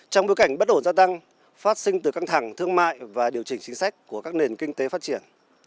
trong bối cảnh bất ổn gia tăng phát sinh từ căng thẳng thương mại và điều chỉnh chính sách của các nền kinh tế phát triển